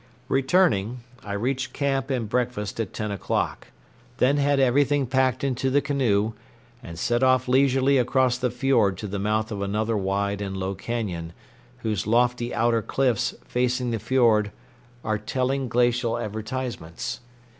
Returning, I reached camp and breakfast at ten o'clock; then had everything packed into the canoe, and set off leisurely across the fiord to the mouth of another wide and low cañon, whose lofty outer cliffs, facing the fiord, are telling glacial advertisements.